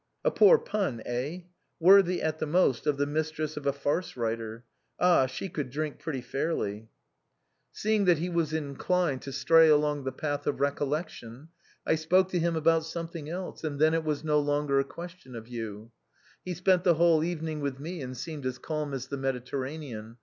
A poor pun, eh ? worthy, at the most, of the mistress of a farce writer. Ah! she could drink pretty fairly.' 883 THE BOHEMIANS OF THE LATIN QUARTER. " Seeing that he was inclined to stra}^ along the path of recollection, I spoke to him about something else, and then it was no longer a question of you. He spent the whole evening with me and seemed as calm as the Mediterranean.